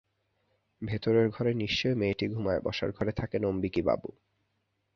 ভেতরের ঘরে নিশ্চয়ই মেয়েটি ঘুমায় বসার ঘরে থাকেন অম্বিকীবাবু!